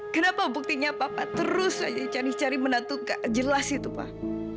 kenapa buktinya papa terus saja cari cari menantu nggak jelas itu pak